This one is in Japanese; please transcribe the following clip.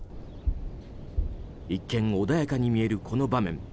一見、穏やかに見えるこの場面。